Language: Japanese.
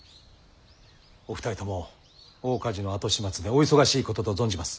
お二人とも大火事の後始末でお忙しいことと存じます。